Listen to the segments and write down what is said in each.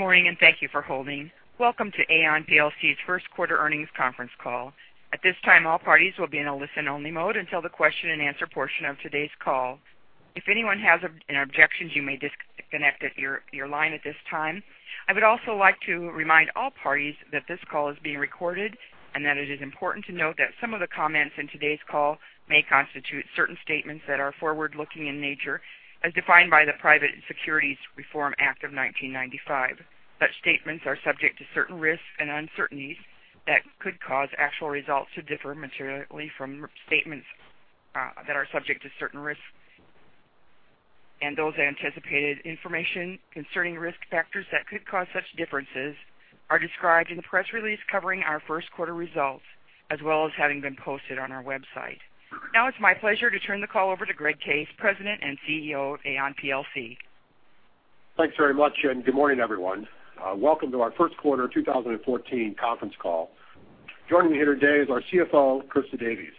Good morning, and thank you for holding. Welcome to Aon plc's first quarter earnings conference call. At this time, all parties will be in a listen-only mode until the question and answer portion of today's call. If anyone has any objections, you may disconnect your line at this time. I would also like to remind all parties that this call is being recorded and that it is important to note that some of the comments in today's call may constitute certain statements that are forward-looking in nature, as defined by the Private Securities Litigation Reform Act of 1995. Such statements are subject to certain risks and uncertainties that could cause actual results to differ materially from statements that are subject to certain risks. Those anticipated information concerning risk factors that could cause such differences are described in the press release covering our first quarter results, as well as having been posted on our website. Now it's my pleasure to turn the call over to Greg Case, President and Chief Executive Officer of Aon plc. Thanks very much. Good morning, everyone. Welcome to our first quarter 2014 conference call. Joining me here today is our CFO, Christa Davies.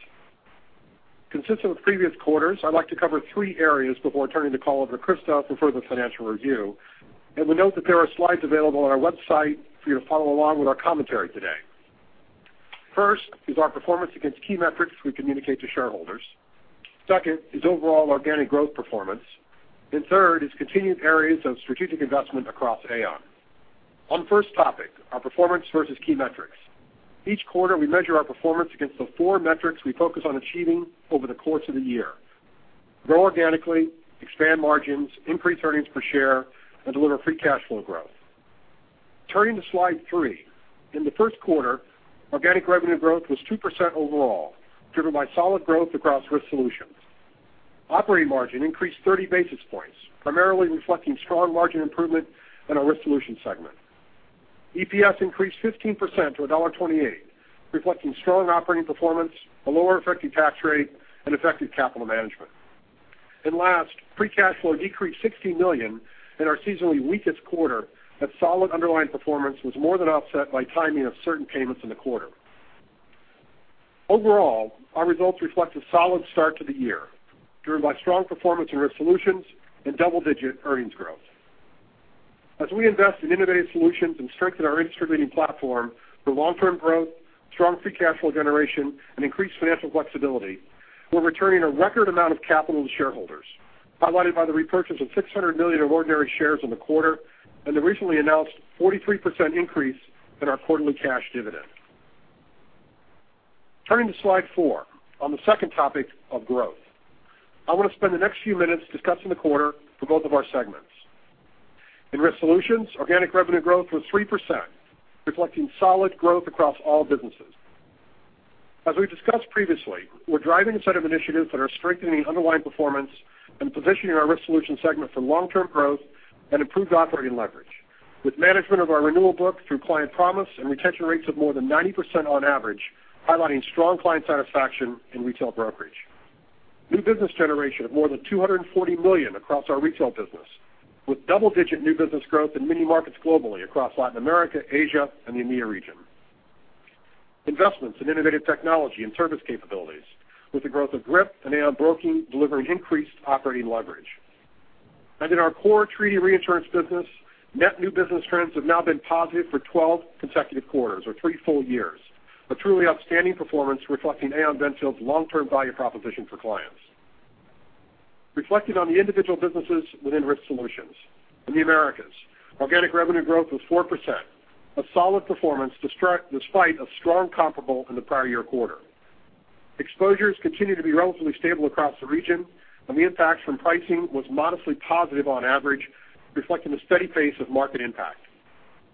Consistent with previous quarters, I'd like to cover three areas before turning the call over to Christa for further financial review. We note that there are slides available on our website for you to follow along with our commentary today. First is our performance against key metrics we communicate to shareholders. Second is overall organic growth performance. Third is continued areas of strategic investment across Aon. On the first topic, our performance versus key metrics. Each quarter, we measure our performance against the four metrics we focus on achieving over the course of the year: grow organically, expand margins, increase earnings per share, and deliver free cash flow growth. Turning to slide three. In the first quarter, organic revenue growth was 2% overall, driven by solid growth across Risk Solutions. Operating margin increased 30 basis points, primarily reflecting strong margin improvement in our Risk Solutions segment. EPS increased 15% to $1.28, reflecting strong operating performance, a lower effective tax rate, and effective capital management. Last, free cash flow decreased $16 million in our seasonally weakest quarter, as solid underlying performance was more than offset by timing of certain payments in the quarter. Overall, our results reflect a solid start to the year, driven by strong performance in Risk Solutions and double-digit earnings growth. As we invest in innovative solutions and strengthen our industry-leading platform for long-term growth, strong free cash flow generation, and increased financial flexibility, we're returning a record amount of capital to shareholders, highlighted by the repurchase of 600 million ordinary shares in the quarter and the recently announced 43% increase in our quarterly cash dividend. Turning to slide four, on the second topic of growth. I want to spend the next few minutes discussing the quarter for both of our segments. In Risk Solutions, organic revenue growth was 3%, reflecting solid growth across all businesses. As we've discussed previously, we're driving a set of initiatives that are strengthening underlying performance and positioning our Risk Solutions segment for long-term growth and improved operating leverage with management of our renewal book through Client Promise and retention rates of more than 90% on average, highlighting strong client satisfaction in Retail Brokerage. New business generation of more than $240 million across our retail business, with double-digit new business growth in many markets globally across Latin America, Asia, and the EMEA region. Investments in innovative technology and service capabilities with the growth of GRIP and Aon Broking delivering increased operating leverage. In our core treaty reinsurance business, net new business trends have now been positive for 12 consecutive quarters or three full years, a truly outstanding performance reflecting Aon Benfield's long-term value proposition for clients. Reflecting on the individual businesses within Risk Solutions. In the Americas, organic revenue growth was 4%, a solid performance despite a strong comparable in the prior year quarter. Exposures continue to be relatively stable across the region, and the impact from pricing was modestly positive on average, reflecting the steady pace of market impact.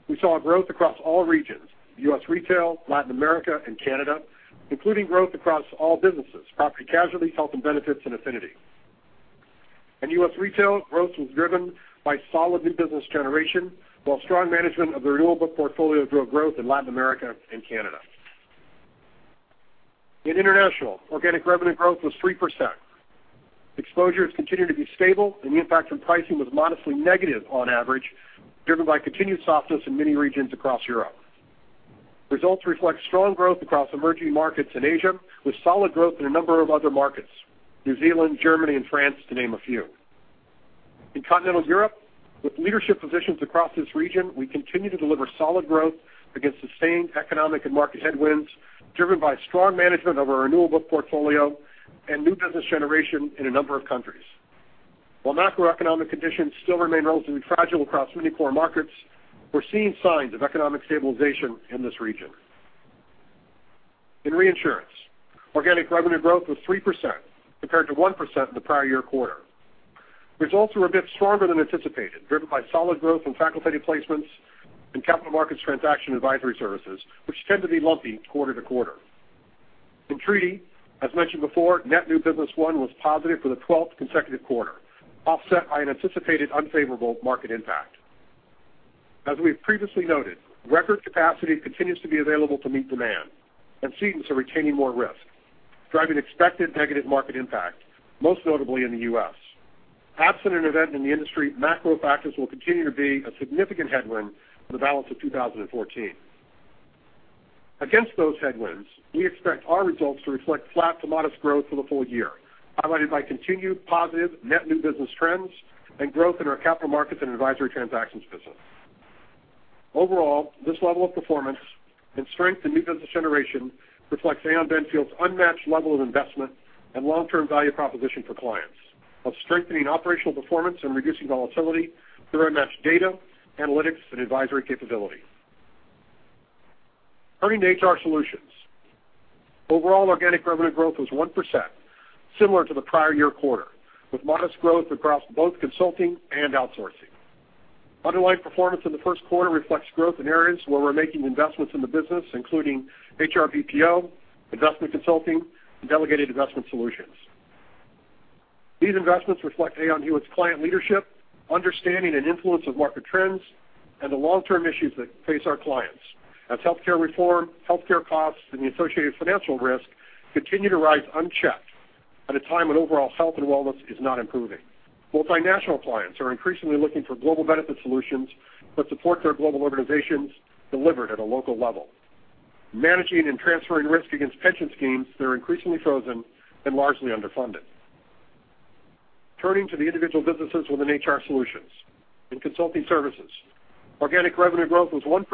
We saw growth across all regions, U.S. retail, Latin America, and Canada, including growth across all businesses, property & casualty, health & benefits, and affinity. In U.S. retail, growth was driven by solid new business generation, while strong management of the renewal book portfolio drove growth in Latin America and Canada. In international, organic revenue growth was 3%. Exposures continued to be stable and the impact from pricing was modestly negative on average, driven by continued softness in many regions across Europe. Results reflect strong growth across emerging markets in Asia, with solid growth in a number of other markets, New Zealand, Germany, and France, to name a few. In Continental Europe, with leadership positions across this region, we continue to deliver solid growth against the same economic and market headwinds driven by strong management of our renewal book portfolio and new business generation in a number of countries. While macroeconomic conditions still remain relatively fragile across many core markets, we're seeing signs of economic stabilization in this region. In reinsurance, organic revenue growth was 3% compared to 1% in the prior year quarter. Results were a bit stronger than anticipated, driven by solid growth in facultative placements and capital markets transaction advisory services, which tend to be lumpy quarter to quarter. In treaty, as mentioned before, net new business won was positive for the 12th consecutive quarter, offset by an anticipated unfavorable market impact. As we've previously noted, record capacity continues to be available to meet demand and cedents are retaining more risk, driving expected negative market impact, most notably in the U.S. Absent an event in the industry, macro factors will continue to be a significant headwind for the balance of 2014. Against those headwinds, we expect our results to reflect flat to modest growth for the full year, highlighted by continued positive net new business trends and growth in our capital markets and advisory transactions business. Overall, this level of performance and strength in new business generation reflects Aon Benfield's unmatched level of investment and long-term value proposition for clients. Of strengthening operational performance and reducing volatility through our matched data, analytics, and advisory capability. Turning to HR Solutions. Overall organic revenue growth was 1%, similar to the prior year quarter, with modest growth across both consulting and outsourcing. Underlying performance in the first quarter reflects growth in areas where we're making investments in the business, including HR BPO, investment consulting, and delegated investment solutions. These investments reflect Aon Hewitt's client leadership, understanding and influence of market trends, and the long-term issues that face our clients. As healthcare reform, healthcare costs, and the associated financial risk continue to rise unchecked at a time when overall health and wellness is not improving. Multinational clients are increasingly looking for global benefit solutions that support their global organizations delivered at a local level. Managing and transferring risk against pension schemes that are increasingly frozen and largely underfunded. Turning to the individual businesses within HR Solutions. In consulting services, organic revenue growth was 1%,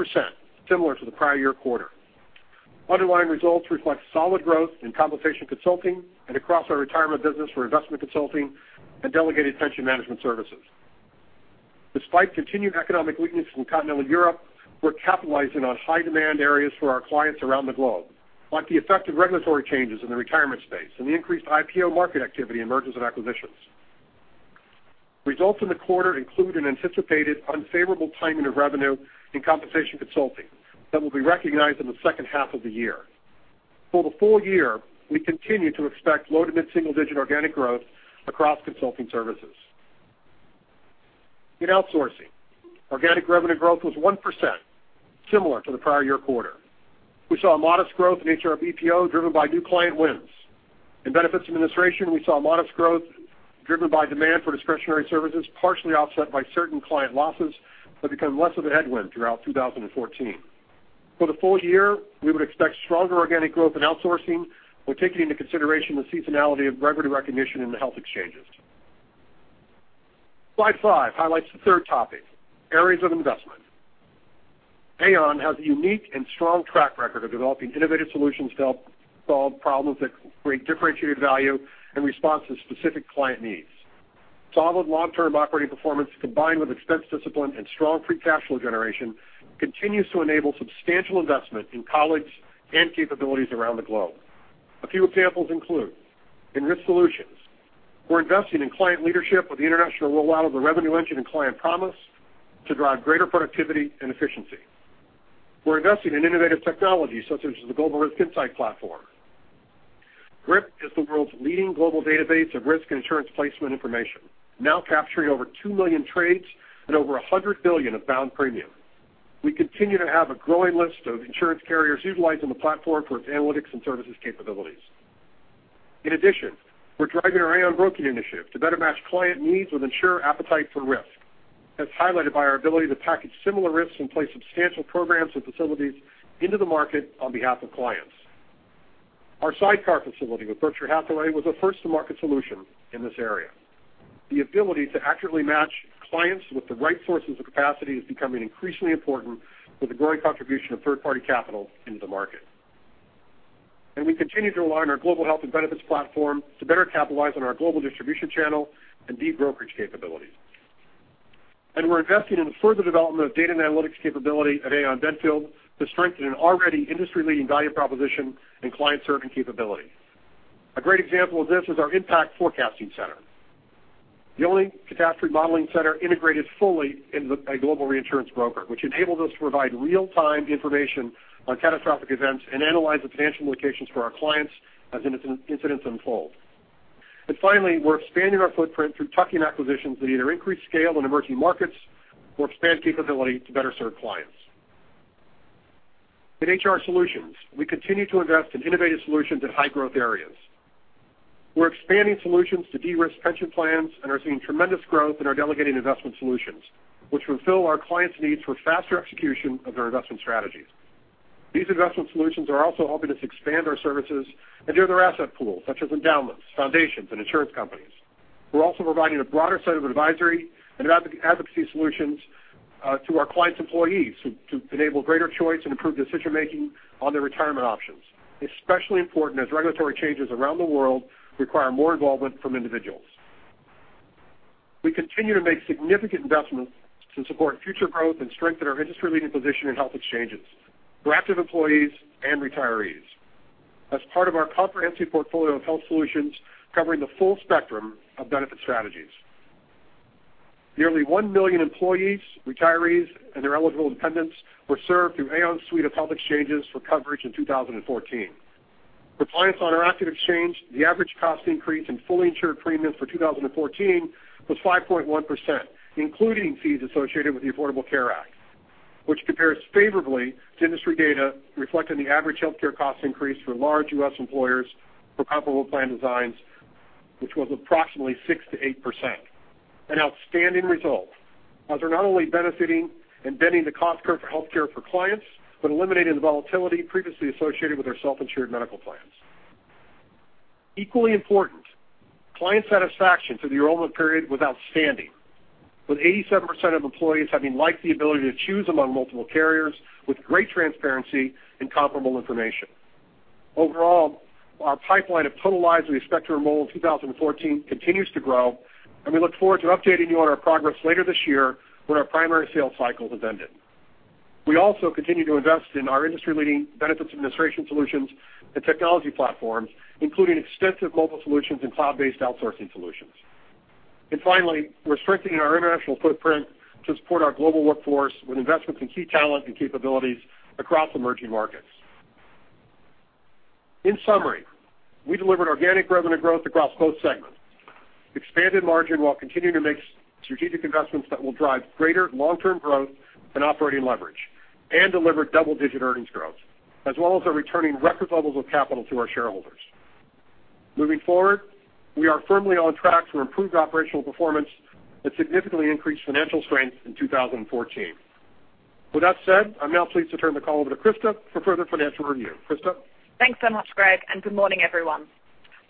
similar to the prior year quarter. Underlying results reflect solid growth in compensation consulting and across our retirement business for investment consulting and delegated pension management services. Despite continued economic weakness in continental Europe, we're capitalizing on high-demand areas for our clients around the globe, like the effect of regulatory changes in the retirement space and the increased IPO market activity in mergers and acquisitions. Results in the quarter include an anticipated unfavorable timing of revenue in compensation consulting that will be recognized in the second half of the year. For the full year, we continue to expect low to mid-single digit organic growth across consulting services. In outsourcing, organic revenue growth was 1%, similar to the prior year quarter. We saw a modest growth in HR BPO driven by new client wins. In benefits administration, we saw modest growth driven by demand for discretionary services, partially offset by certain client losses that become less of a headwind throughout 2014. For the full year, we would expect stronger organic growth in outsourcing while taking into consideration the seasonality of revenue recognition in the health exchanges. Slide five highlights the third topic, areas of investment. Aon has a unique and strong track record of developing innovative solutions to help solve problems that create differentiated value in response to specific client needs. Solid long-term operating performance, combined with expense discipline and strong free cash flow generation, continues to enable substantial investment in colleagues and capabilities around the globe. A few examples include, in Risk Solutions, we're investing in client leadership with the international rollout of the Revenue Engine and Client Promise to drive greater productivity and efficiency. We're investing in innovative technology such as the Global Risk Insight Platform. GRIP is the world's leading global database of risk and insurance placement information, now capturing over 2 million trades and over $100 billion of bound premium. We continue to have a growing list of insurance carriers utilizing the platform for its analytics and services capabilities. In addition, we're driving our Aon Broking initiative to better match client needs with insurer appetite for risk. That's highlighted by our ability to package similar risks and place substantial programs and facilities into the market on behalf of clients. Our sidecar facility with Berkshire Hathaway was a first-to-market solution in this area. The ability to accurately match clients with the right sources of capacity is becoming increasingly important with the growing contribution of third-party capital into the market. We continue to align our global health and benefits platform to better capitalize on our global distribution channel and deep brokerage capabilities. We're investing in the further development of data and analytics capability at Aon Benfield to strengthen an already industry-leading value proposition and client-serving capability. A great example of this is our Impact Forecasting, the only catastrophe modeling center integrated fully into a global reinsurance broker, which enables us to provide real-time information on catastrophic events and analyze the financial implications for our clients as incidents unfold. Finally, we're expanding our footprint through tuck-in acquisitions that either increase scale in emerging markets or expand capability to better serve clients. In HR Solutions, we continue to invest in innovative solutions in high-growth areas. We're expanding solutions to de-risk pension plans and are seeing tremendous growth in our delegated investment solutions, which fulfill our clients' needs for faster execution of their investment strategies. These investment solutions are also helping us expand our services and other asset pools such as endowments, foundations, and insurance companies. We're also providing a broader set of advisory and advocacy solutions to our clients' employees to enable greater choice and improve decision-making on their retirement options. Especially important as regulatory changes around the world require more involvement from individuals. We continue to make significant investments to support future growth and strengthen our industry-leading position in health exchanges for active employees and retirees as part of our comprehensive portfolio of health solutions covering the full spectrum of benefit strategies. Nearly 1 million employees, retirees, and their eligible dependents were served through Aon's suite of health exchanges for coverage in 2014. For clients on our active exchange, the average cost increase in fully insured premiums for 2014 was 5.1%, including fees associated with the Affordable Care Act, which compares favorably to industry data reflecting the average healthcare cost increase for large U.S. employers for comparable plan designs of 9.6%, which was approximately 6%-8%. An outstanding result, as we're not only benefiting and bending the cost curve for healthcare for clients, but eliminating the volatility previously associated with our self-insured medical plans. Equally important, client satisfaction through the enrollment period was outstanding, with 87% of employees having liked the ability to choose among multiple carriers with great transparency and comparable information. Overall, our pipeline of total lives we expect to enroll in 2014 continues to grow. We look forward to updating you on our progress later this year when our primary sales cycle has ended. We also continue to invest in our industry-leading benefits administration solutions and technology platforms, including extensive global solutions and cloud-based outsourcing solutions. Finally, we're strengthening our international footprint to support our global workforce with investments in key talent and capabilities across emerging markets. In summary, we delivered organic revenue growth across both segments, expanded margin while continuing to make strategic investments that will drive greater long-term growth and operating leverage, and delivered double-digit earnings growth, as well as are returning record levels of capital to our shareholders. Moving forward, we are firmly on track for improved operational performance and significantly increased financial strength in 2014. With that said, I'm now pleased to turn the call over to Crista for further financial review. Crista? Thanks so much, Greg, and good morning, everyone.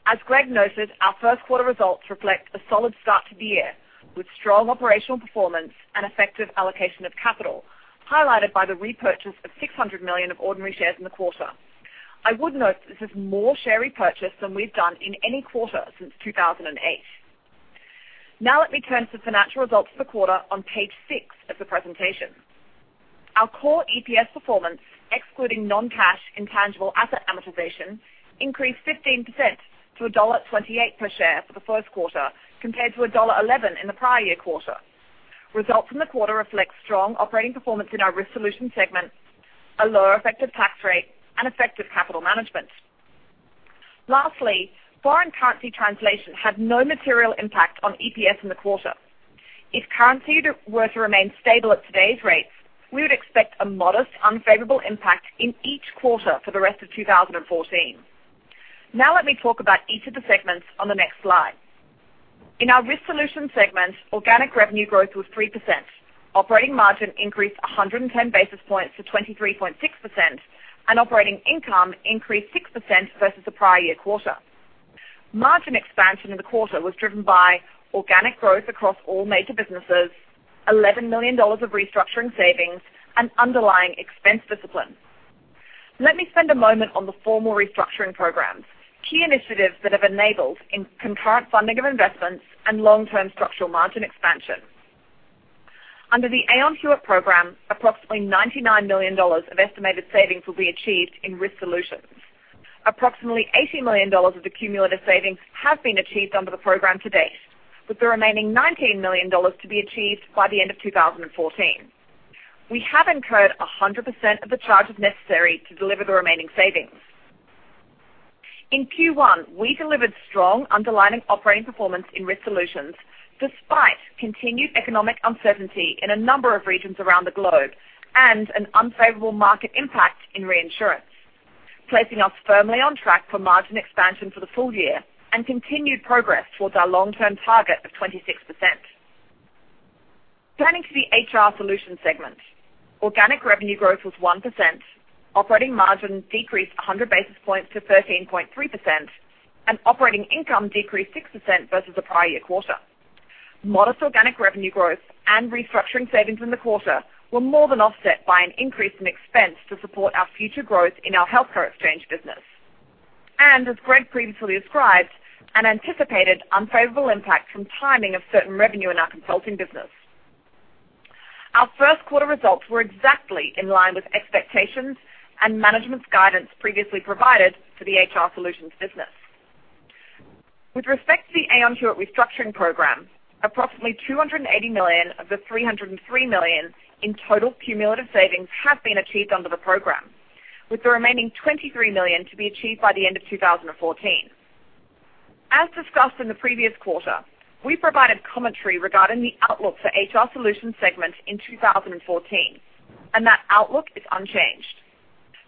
As Greg noted, our first quarter results reflect a solid start to the year with strong operational performance and effective allocation of capital, highlighted by the repurchase of $600 million of ordinary shares in the quarter. I would note that this is more share repurchase than we've done in any quarter since 2008. Now let me turn to financial results for the quarter on page six of the presentation. Our core EPS performance, excluding non-cash intangible asset amortization, increased 15% to $1.28 per share for the first quarter, compared to $1.11 in the prior year quarter. Results from the quarter reflect strong operating performance in our Risk Solutions segment, a lower effective tax rate, and effective capital management. Lastly, foreign currency translation had no material impact on EPS in the quarter. If currency were to remain stable at today's rates, we would expect a modest unfavorable impact in each quarter for the rest of 2014. Now let me talk about each of the segments on the next slide. In our Risk Solutions segment, organic revenue growth was 3%. Operating margin increased 110 basis points to 23.6%, and operating income increased 6% versus the prior year quarter. Margin expansion in the quarter was driven by organic growth across all major businesses, $11 million of restructuring savings, and underlying expense discipline. Let me spend a moment on the formal restructuring programs, key initiatives that have enabled concurrent funding of investments and long-term structural margin expansion. Under the Aon Hewitt Program, approximately $99 million of estimated savings will be achieved in Risk Solutions. Approximately $80 million of the cumulative savings have been achieved under the program to date, with the remaining $19 million to be achieved by the end of 2014. We have incurred 100% of the charges necessary to deliver the remaining savings. In Q1, we delivered strong underlying operating performance in Risk Solutions despite continued economic uncertainty in a number of regions around the globe and an unfavorable market impact in reinsurance, placing us firmly on track for margin expansion for the full year and continued progress towards our long-term target of 26%. Turning to the HR Solutions segment. Organic revenue growth was 1%, operating margin decreased 100 basis points to 13.3%, and operating income decreased 6% versus the prior year quarter. Modest organic revenue growth and restructuring savings in the quarter were more than offset by an increase in expense to support our future growth in our healthcare exchange business. As Greg previously described, an anticipated unfavorable impact from timing of certain revenue in our consulting business. Our first quarter results were exactly in line with expectations and management's guidance previously provided for the HR Solutions business. With respect to the Aon Hewitt restructuring plan, approximately $280 million of the $303 million in total cumulative savings have been achieved under the program, with the remaining $23 million to be achieved by the end of 2014. As discussed in the previous quarter, we provided commentary regarding the outlook for HR Solutions segment in 2014, that outlook is unchanged.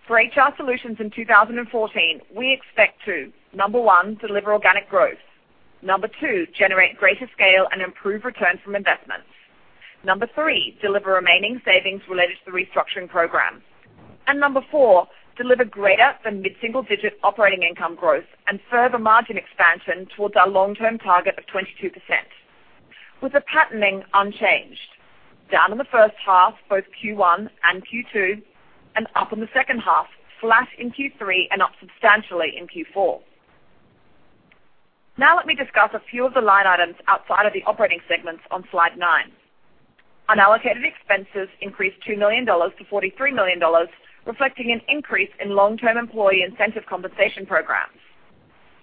For HR Solutions in 2014, we expect to, number 1, deliver organic growth. Number 2, generate greater scale and improve return from investments. Number 3, deliver remaining savings related to the restructuring program. Number 4, deliver greater than mid-single-digit operating income growth and further margin expansion towards our long-term target of 22%, with the patterning unchanged. Down in the first half, both Q1 and Q2, and up in the second half, flat in Q3, and up substantially in Q4. Now let me discuss a few of the line items outside of the operating segments on slide nine. Unallocated expenses increased $2 million to $43 million, reflecting an increase in long-term employee incentive compensation programs.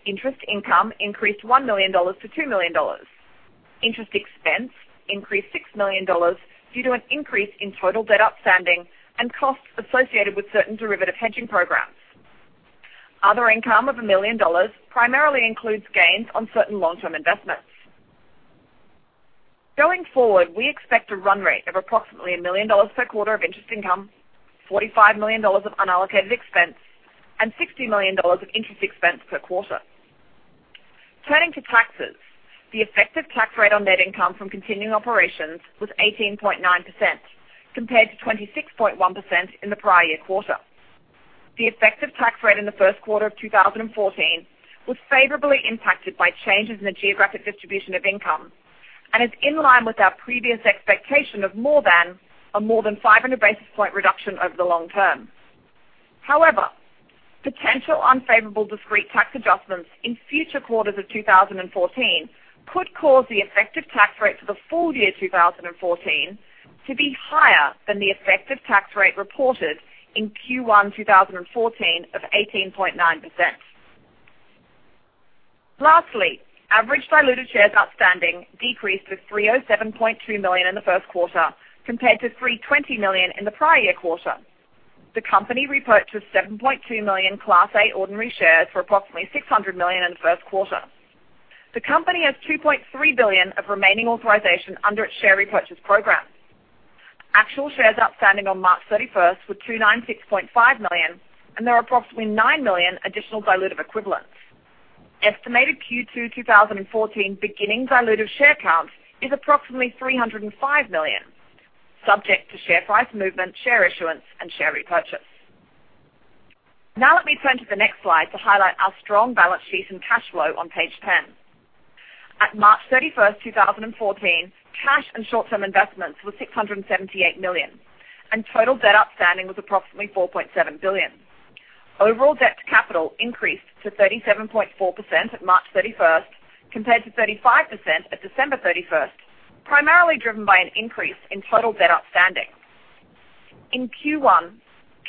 Interest income increased $1 million to $2 million. Interest expense increased $6 million due to an increase in total debt outstanding and costs associated with certain derivative hedging programs. Other income of $1 million primarily includes gains on certain long-term investments. Going forward, we expect a run rate of approximately $1 million per quarter of interest income, $45 million of unallocated expense, and $60 million of interest expense per quarter. Turning to taxes, the effective tax rate on net income from continuing operations was 18.9%, compared to 26.1% in the prior year quarter. The effective tax rate in the first quarter of 2014 was favorably impacted by changes in the geographic distribution of income and is in line with our previous expectation of more than a 500 basis point reduction over the long term. However, potential unfavorable discrete tax adjustments in future quarters of 2014 could cause the effective tax rate for the full year 2014 to be higher than the effective tax rate reported in Q1 2014 of 18.9%. Lastly, average diluted shares outstanding decreased to 307.2 million in the first quarter compared to 320 million in the prior year quarter. The company repurchased 7.2 million Class A ordinary shares for approximately $600 million in the first quarter. The company has 2.3 billion of remaining authorization under its share repurchase program. Actual shares outstanding on March 31st were 296.5 million, and there are approximately 9 million additional dilutive equivalents. Estimated Q2 2014 beginning dilutive share count is approximately 305 million, subject to share price movement, share issuance, and share repurchase. Now let me turn to the next slide to highlight our strong balance sheet and cash flow on page 10. At March 31st, 2014, cash and short-term investments were $678 million, and total debt outstanding was approximately $4.7 billion. Overall debt to capital increased to 37.4% at March 31st compared to 35% at December 31st, primarily driven by an increase in total debt outstanding. In Q1,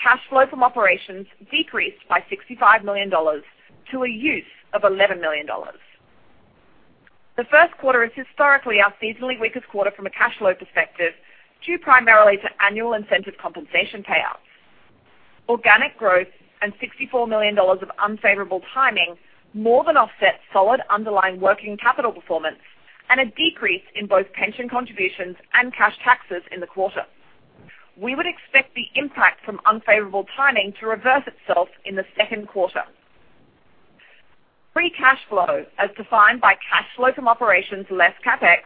cash flow from operations decreased by $65 million to a use of $11 million. The first quarter is historically our seasonally weakest quarter from a cash flow perspective, due primarily to annual incentive compensation payouts. Organic growth and $64 million of unfavorable timing more than offset solid underlying working capital performance and a decrease in both pension contributions and cash taxes in the quarter. We would expect the impact from unfavorable timing to reverse itself in the second quarter. Free cash flow, as defined by cash flow from operations less CapEx,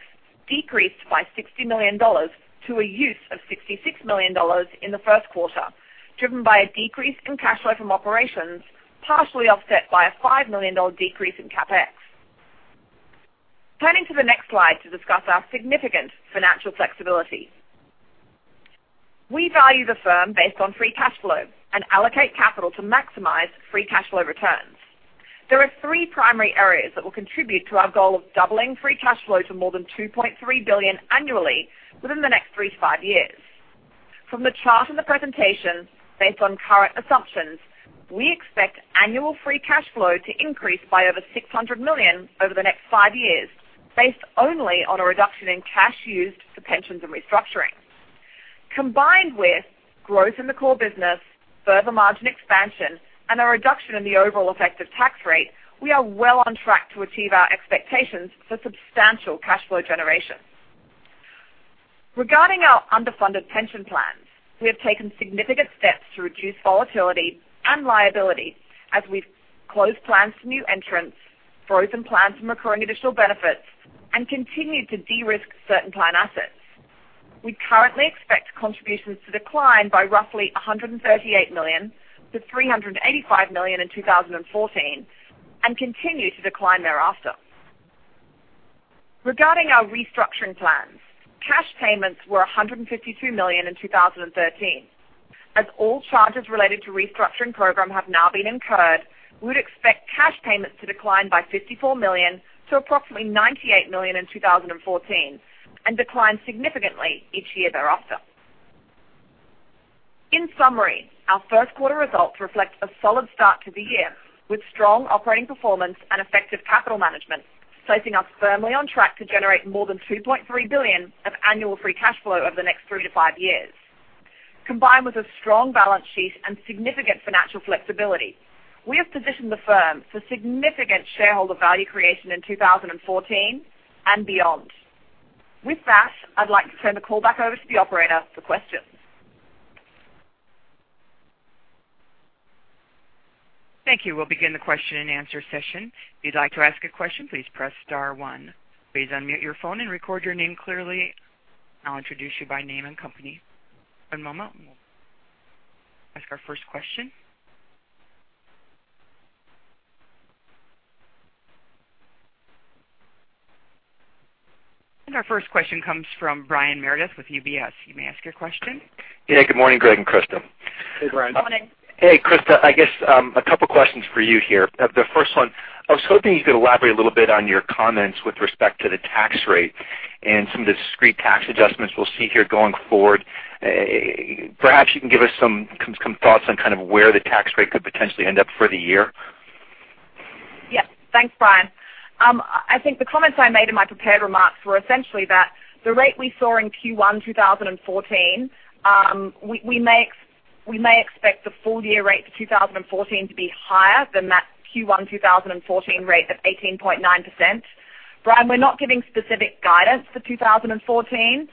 decreased by $60 million to a use of $66 million in the first quarter, driven by a decrease in cash flow from operations, partially offset by a $5 million decrease in CapEx. Turning to the next slide to discuss our significant financial flexibility. We value the firm based on free cash flow and allocate capital to maximize free cash flow returns. There are three primary areas that will contribute to our goal of doubling free cash flow to more than $2.3 billion annually within the next three to five years. From the chart in the presentation, based on current assumptions, we expect annual free cash flow to increase by over $600 million over the next five years, based only on a reduction in cash used for pensions and restructuring. Combined with growth in the core business, further margin expansion, and a reduction in the overall effective tax rate, we are well on track to achieve our expectations for substantial cash flow generation. Regarding our underfunded pension plans, we have taken significant steps to reduce volatility and liability as we've closed plans to new entrants, frozen plans from accruing additional benefits, and continued to de-risk certain plan assets. We currently expect contributions to decline by roughly $138 million to $385 million in 2014 and continue to decline thereafter. Regarding our restructuring plans, cash payments were $152 million in 2013. As all charges related to restructuring program have now been incurred, we would expect cash payments to decline by $54 million to approximately $98 million in 2014 and decline significantly each year thereafter. In summary, our first quarter results reflect a solid start to the year with strong operating performance and effective capital management, placing us firmly on track to generate more than $2.3 billion of annual free cash flow over the next three to five years. Combined with a strong balance sheet and significant financial flexibility, we have positioned the firm for significant shareholder value creation in 2014 and beyond. With that, I'd like to turn the call back over to the operator for questions. Thank you. We'll begin the question and answer session. If you'd like to ask a question, please press star one. Please unmute your phone and record your name clearly. I'll introduce you by name and company. One moment. That's our first question. Our first question comes from Brian Meredith with UBS. You may ask your question. Good morning, Greg and Crista. Hey, Brian. Hey, Crista. A couple questions for you here. The first one, I was hoping you could elaborate a little bit on your comments with respect to the tax rate and some of the discrete tax adjustments we'll see here going forward. Perhaps you can give us some thoughts on where the tax rate could potentially end up for the year. Thanks, Brian. I think the comments I made in my prepared remarks were essentially that the rate we saw in Q1 2014, We may expect the full-year rate for 2014 to be higher than that Q1 2014 rate of 18.9%. Brian, we're not giving specific guidance for 2014,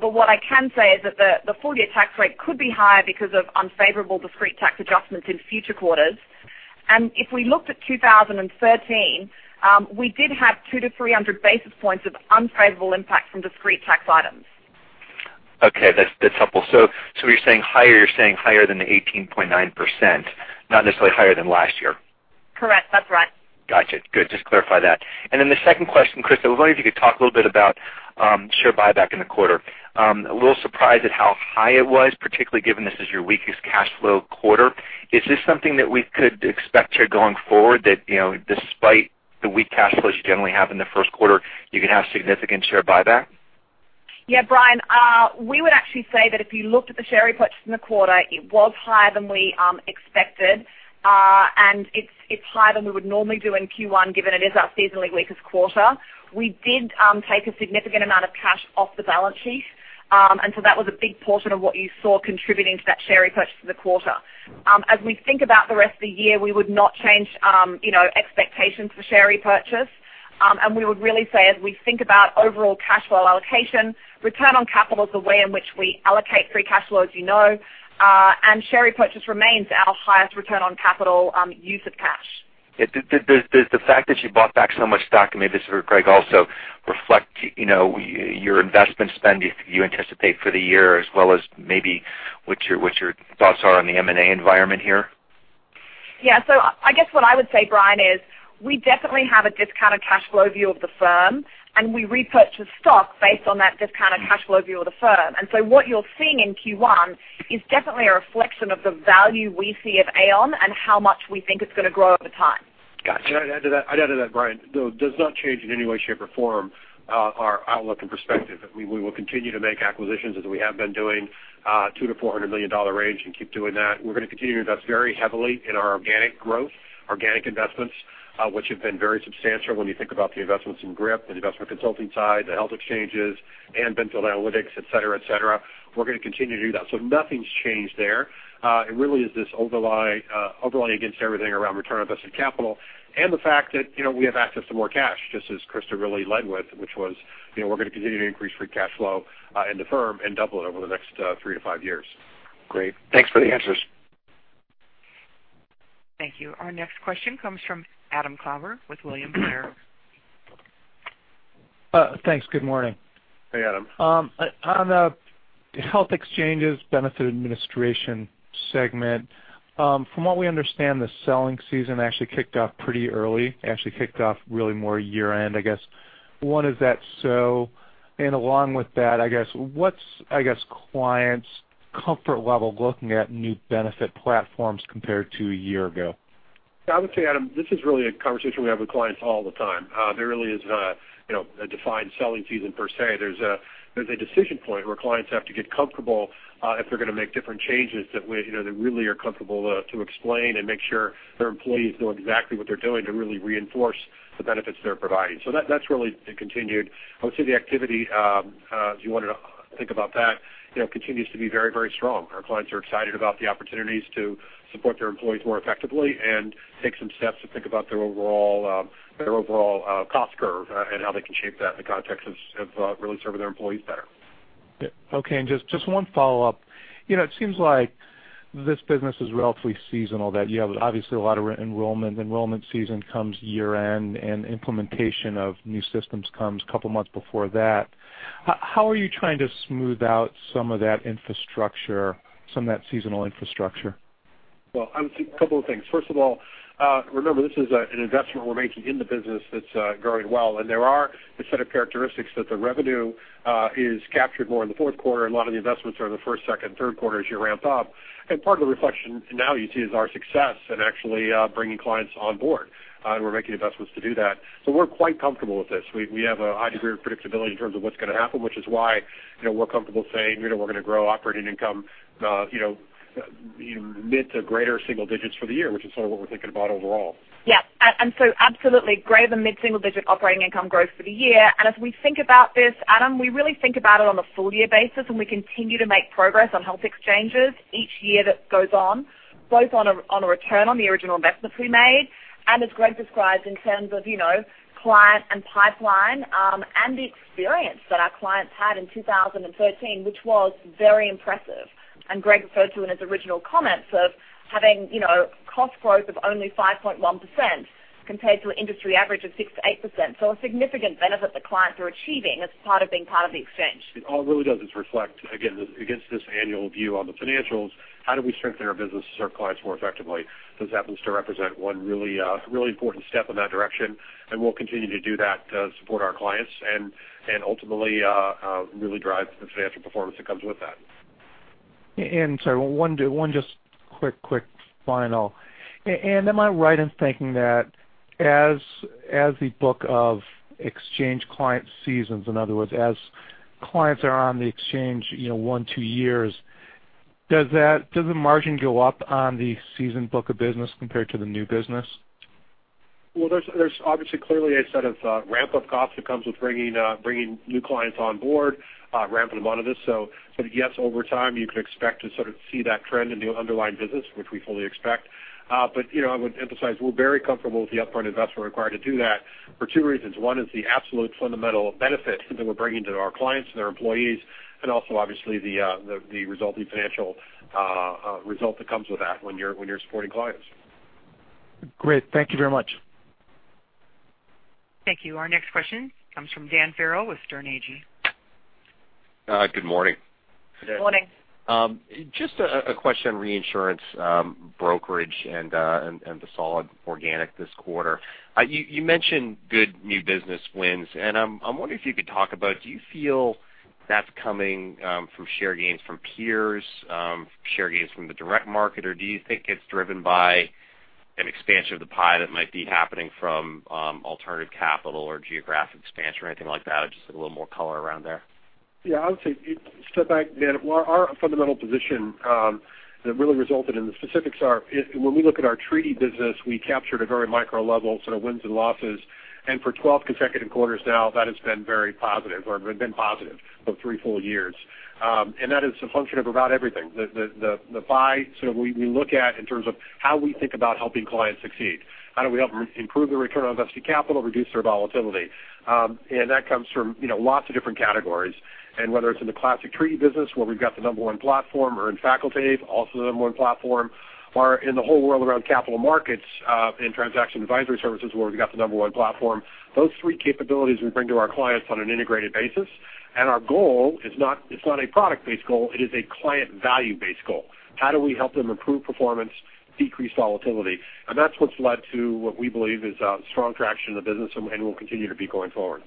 but what I can say is that the full-year tax rate could be higher because of unfavorable discrete tax adjustments in future quarters. If we looked at 2013, we did have 200-300 basis points of unfavorable impact from discrete tax items. Okay. That's helpful. You're saying higher than the 18.9%, not necessarily higher than last year? Correct. That's right. Got you. Good. Just clarify that. Then the second question, Christa, I was wondering if you could talk a little bit about share buyback in the quarter. A little surprised at how high it was, particularly given this is your weakest cash flow quarter. Is this something that we could expect here going forward that, despite the weak cash flows you generally have in the first quarter, you could have significant share buyback? Yeah, Brian, we would actually say that if you looked at the share repurchase in the quarter, it was higher than we expected. It's higher than we would normally do in Q1, given it is our seasonally weakest quarter. We did take a significant amount of cash off the balance sheet, that was a big portion of what you saw contributing to that share repurchase in the quarter. As we think about the rest of the year, we would not change expectations for share repurchase. We would really say as we think about overall cash flow allocation, return on capital is the way in which we allocate free cash flow, as you know, and share repurchase remains our highest return on capital use of cash. Does the fact that you bought back so much stock, and maybe this is for Greg also, reflect your investment spend if you anticipate for the year as well as maybe what your thoughts are on the M&A environment here? I guess what I would say, Brian, is we definitely have a discounted cash flow view of the firm, we repurchase stock based on that discounted cash flow view of the firm. What you're seeing in Q1 is definitely a reflection of the value we see at Aon and how much we think it's going to grow over time. Got you. Can I add to that? I'd add to that, Brian. It does not change in any way, shape, or form our outlook and perspective. We will continue to make acquisitions as we have been doing, $200 million-$400 million range, and keep doing that. We're going to continue to invest very heavily in our organic growth, organic investments, which have been very substantial when you think about the investments in GRIP, the investment consulting side, the health exchanges, and dental and analytics, et cetera. We're going to continue to do that. Nothing's changed there. It really is this overlay against everything around return on invested capital and the fact that we have access to more cash, just as Crista really led with, which was we're going to continue to increase free cash flow in the firm and double it over the next 3 to 5 years. Great. Thanks for the answers. Thank you. Our next question comes from Adam Klauber with William Blair. Thanks. Good morning. Hey, Adam. On the health exchanges benefit administration segment, from what we understand, the selling season actually kicked off pretty early. Actually kicked off really more year-end, I guess. One, is that so? Along with that, I guess, what's clients' comfort level looking at new benefit platforms compared to a year ago? I would say, Adam, this is really a conversation we have with clients all the time. There really is not a defined selling season per se. There's a decision point where clients have to get comfortable if they're going to make different changes that really are comfortable to explain and make sure their employees know exactly what they're doing to really reinforce the benefits they're providing. That's really continued. I would say the activity, if you wanted to think about that, continues to be very strong. Our clients are excited about the opportunities to support their employees more effectively and take some steps to think about their overall cost curve and how they can shape that in the context of really serving their employees better. Okay, just one follow-up. It seems like this business is relatively seasonal, that you have obviously a lot of enrollment. Enrollment season comes year-end, and implementation of new systems comes a couple of months before that. How are you trying to smooth out some of that seasonal infrastructure? I would say a couple of things. First of all, remember, this is an investment we're making in the business that's growing well. There are a set of characteristics that the revenue is captured more in the fourth quarter, and a lot of the investments are in the first, second, third quarter as you ramp up. Part of the reflection now you see is our success in actually bringing clients on board, and we're making investments to do that. We're quite comfortable with this. We have a high degree of predictability in terms of what's going to happen, which is why we're comfortable saying we're going to grow operating income mid to greater single digits for the year, which is sort of what we're thinking about overall. Absolutely greater than mid-single digit operating income growth for the year. As we think about this, Adam, we really think about it on a full year basis, and we continue to make progress on health exchanges each year that goes on, both on a return on the original investments we made and as Greg described in terms of client and pipeline, and the experience that our clients had in 2013, which was very impressive. Greg referred to in his original comments of having cost growth of only 5.1% compared to an industry average of 6%-8%. A significant benefit that clients are achieving as part of being part of the exchange. It all really does is reflect, again, against this annual view on the financials, how do we strengthen our business to serve clients more effectively? This happens to represent one really important step in that direction, and we'll continue to do that to support our clients and ultimately really drive the financial performance that comes with that. Sorry, one just quick final. Adam, am I right in thinking that as the book of exchange client seasons, in other words, as clients are on the exchange one, two years, does the margin go up on the seasoned book of business compared to the new business? There's obviously, clearly a set of ramp-up costs that comes with bringing new clients on board, ramping them onto this. Yes, over time, you can expect to sort of see that trend in the underlying business, which we fully expect. I would emphasize we're very comfortable with the upfront investment required to do that for two reasons. One is the absolute fundamental benefit that we're bringing to our clients and their employees, and also obviously the resulting financial result that comes with that when you're supporting clients. Great. Thank you very much. Thank you. Our next question comes from Dan Farrell with Sterne Agee. Good morning. Good morning. Just a question on reinsurance brokerage and the solid organic this quarter. You mentioned good new business wins. I'm wondering if you could talk about, do you feel that's coming from share gains from peers, share gains from the direct market, or do you think it's driven by an expansion of the pie that might be happening from alternative capital or geographic expansion or anything like that? Just a little more color around there. Yeah, I would say, step back, Dan. Our fundamental position that really resulted in the specifics are when we look at our treaty business, we captured a very micro level, sort of wins and losses. For 12 consecutive quarters now, that has been very positive or been positive for three full years. That is a function of about everything. The pie, we look at in terms of how we think about helping clients succeed. How do we help improve the return on invested capital, reduce their volatility? That comes from lots of different categories. Whether it's in the classic treaty business, where we've got the number one platform, or in facultative, also the number one platform, or in the whole world around capital markets, in transaction advisory services, where we've got the number one platform. Those three capabilities we bring to our clients on an integrated basis. Our goal is not a product-based goal. It is a client value-based goal. How do we help them improve performance, decrease volatility? That's what's led to what we believe is strong traction in the business and will continue to be going forward.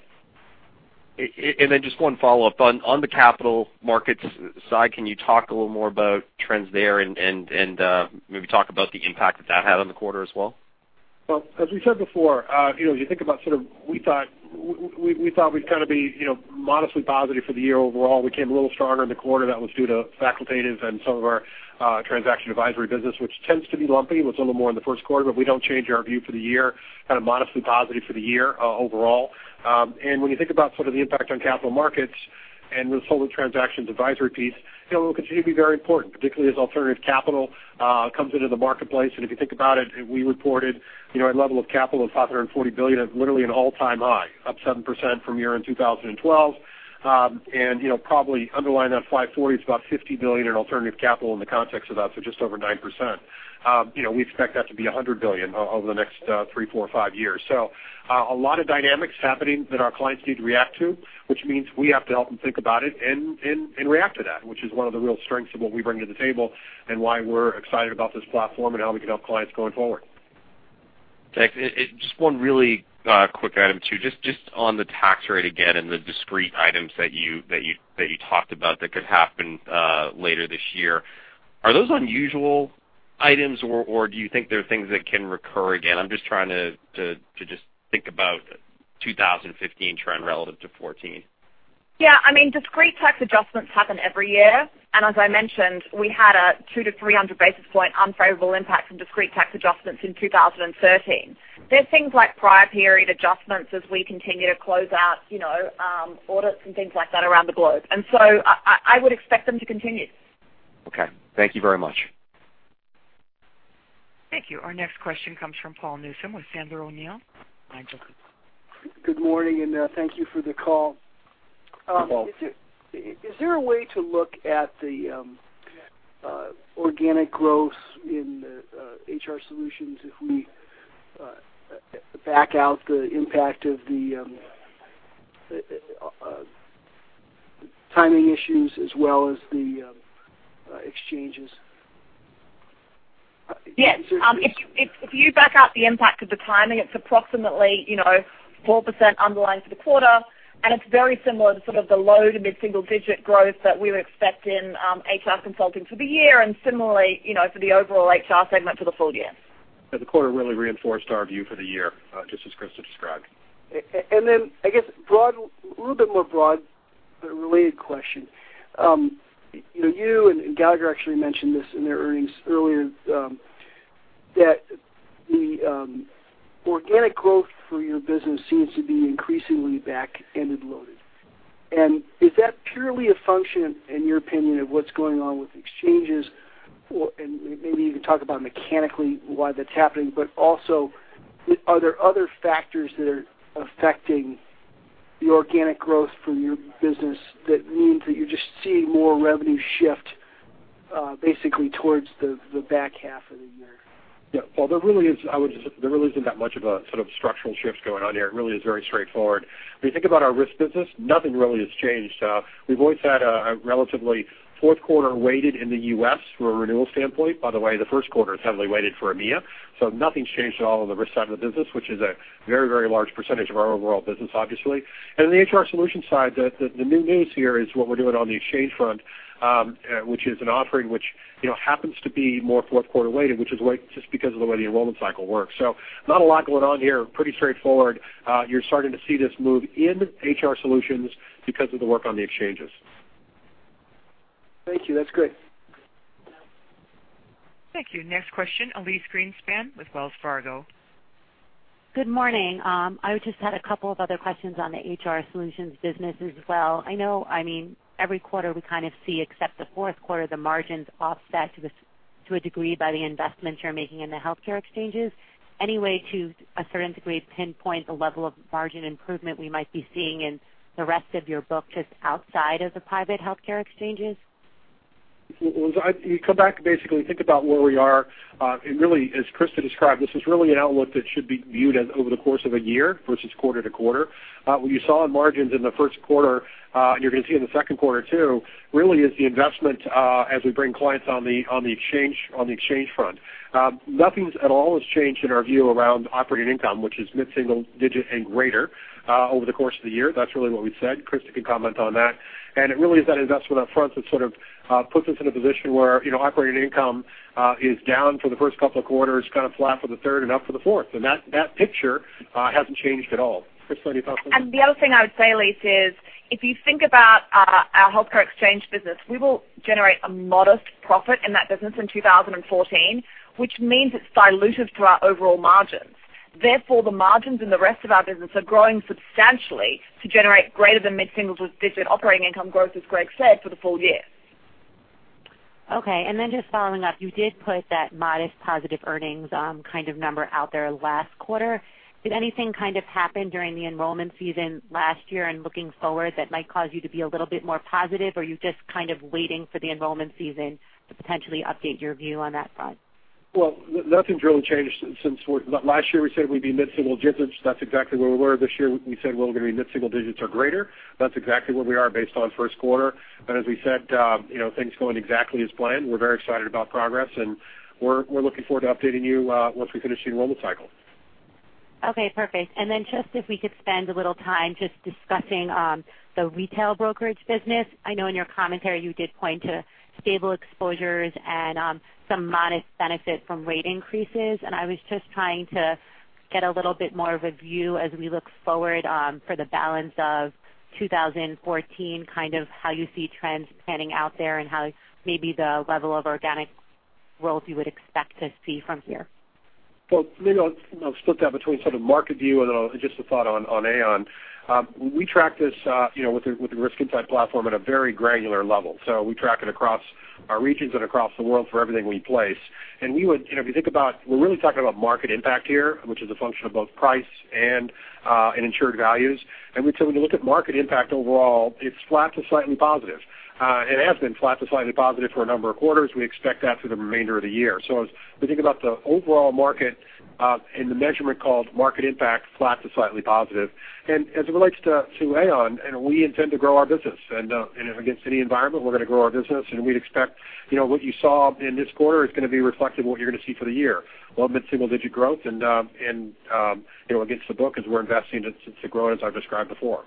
Just one follow-up. On the capital markets side, can you talk a little more about trends there and maybe talk about the impact that had on the quarter as well? Well, as we said before, as you think about sort of we thought we'd kind of be modestly positive for the year overall. We came a little stronger in the quarter. That was due to facultative and some of our transaction advisory business, which tends to be lumpy, was a little more in the first quarter. We don't change our view for the year, kind of modestly positive for the year overall. When you think about sort of the impact on capital markets and the solid transaction advisory piece, it will continue to be very important, particularly as alternative capital comes into the marketplace. If you think about it, we reported a level of capital of $540 billion at literally an all-time high, up 7% from year-end 2012. Probably underlying that 540 is about $50 billion in alternative capital in the context of that, so just over 9%. We expect that to be $100 billion over the next three, four, five years. A lot of dynamics happening that our clients need to react to, which means we have to help them think about it and react to that, which is one of the real strengths of what we bring to the table, and why we're excited about this platform, and how we can help clients going forward. Thanks. Just one really quick item, too. Just on the tax rate again and the discrete items that you talked about that could happen later this year. Are those unusual items, or do you think they're things that can recur again? I'm just trying to just think about the 2015 trend relative to 2014. Yeah, discrete tax adjustments happen every year. As I mentioned, we had a 2 to 300 basis point unfavorable impact from discrete tax adjustments in 2013. They're things like prior period adjustments as we continue to close out audits and things like that around the globe. I would expect them to continue. Okay. Thank you very much. Thank you. Our next question comes from Paul Newsome with Sandler O'Neill. Good morning. Thank you for the call. Hi, Paul. Is there a way to look at the organic growth in the HR Solutions if we back out the impact of the timing issues as well as the exchanges? Yes. If you back out the impact of the timing, it's approximately 4% underlying for the quarter, and it's very similar to sort of the low to mid-single digit growth that we would expect in HR consulting for the year and similarly for the overall HR segment for the full year. The quarter really reinforced our view for the year, just as Crista described. I guess a little bit more broad but related question. You and Gallagher actually mentioned this in their earnings earlier, that the organic growth for your business seems to be increasingly back-ended loaded. Is that purely a function, in your opinion, of what's going on with exchanges? Maybe you can talk about mechanically why that's happening, but also are there other factors that are affecting the organic growth for your business that means that you're just seeing more revenue shift basically towards the back half of the year? Paul, there really isn't that much of a sort of structural shift going on here. It really is very straightforward. If you think about our Risk Solutions business, nothing really has changed. We've always had a relatively fourth quarter weighted in the U.S. from a renewal standpoint. By the way, the first quarter is heavily weighted for EMEA, nothing's changed at all on the Risk Solutions side of the business, which is a very large percentage of our overall business, obviously. In the HR Solutions side, the new news here is what we're doing on the exchange front, which is an offering which happens to be more fourth quarter weighted, which is just because of the way the enrollment cycle works. Not a lot going on here. Pretty straightforward. You're starting to see this move in HR Solutions because of the work on the exchanges. Thank you. That's great. Thank you. Next question, Elyse Greenspan with Wells Fargo. Good morning. I just had a couple of other questions on the HR Solutions business as well. I know every quarter we kind of see, except the fourth quarter, the margins offset to a degree by the investments you're making in the healthcare exchanges. Any way to, a certain degree, pinpoint the level of margin improvement we might be seeing in the rest of your book, just outside of the private healthcare exchanges? You come back, basically think about where we are. It really, as Christa described, this is really an outlook that should be viewed as over the course of a year versus quarter to quarter. What you saw in margins in the first quarter, you're going to see in the second quarter, too, really is the investment as we bring clients on the exchange front. Nothing at all has changed in our view around operating income, which is mid-single digit and greater, over the course of the year. That's really what we've said. Christa can comment on that. It really is that investment up front that sort of puts us in a position where operating income is down for the first couple of quarters, kind of flat for the third and up for the fourth. That picture hasn't changed at all. Christa, any thoughts on that? The other thing I would say, Elyse, is if you think about our healthcare exchange business, we will generate a modest profit in that business in 2014, which means it's dilutive to our overall margins. Therefore, the margins in the rest of our business are growing substantially to generate greater than mid-single digit operating income growth, as Greg said, for the full year. Okay, just following up, you did put that modest positive earnings kind of number out there last quarter. Did anything kind of happen during the enrollment season last year and looking forward that might cause you to be a little bit more positive? Are you just kind of waiting for the enrollment season to potentially update your view on that front? Well, nothing's really changed since last year, we said we'd be mid-single digits. That's exactly where we were this year. We said we're going to be mid-single digits or greater. That's exactly where we are based on first quarter. As we said, things going exactly as planned. We're very excited about progress, and we're looking forward to updating you once we finish the enrollment cycle. Okay, perfect. Then just if we could spend a little time just discussing the retail brokerage business. I know in your commentary you did point to stable exposures and some modest benefit from rate increases. I was just trying to get a little bit more of a view as we look forward for the balance of 2014, kind of how you see trends panning out there and how maybe the level of organic growth you would expect to see from here. Well, maybe I'll split that between sort of market view then just a thought on Aon. We track this with the Global Risk Insight Platform at a very granular level. We track it across our regions and across the world for everything we place. If you think about, we're really talking about market impact here, which is a function of both price and insured values. When you look at market impact overall, it's flat to slightly positive. It has been flat to slightly positive for a number of quarters. We expect that for the remainder of the year. As we think about the overall market and the measurement called market impact, flat to slightly positive. As it relates to Aon, we intend to grow our business. Against any environment, we're going to grow our business, and we'd expect what you saw in this quarter is going to be reflective of what you're going to see for the year, low to mid-single digit growth, and against the book as we're investing to grow, as I've described before.